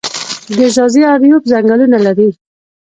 د ځاځي اریوب ځنګلونه لري